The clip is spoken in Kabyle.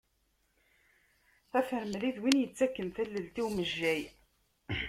Afremli d win yettaken tallelt i umejjay.